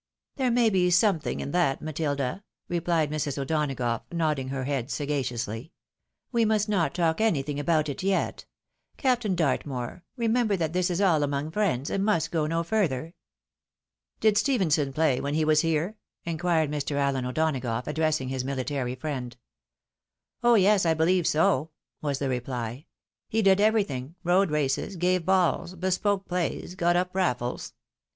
" There may be something in that, Matilda," replied Mrs. O'Donagough, nodding her head sagaciously. " We must not talk anything about it yet. Captain Dartmoor, remember that this is all among friends, and must go no further." " Did Stephenson play when he was here ?" inquired Mr. Alien O'Donagough, addressing his military friend. " Oh yes, I believe so !" was the reply. " He did everything — ^rode races, gave balls, bespoke plays, got up rafiles.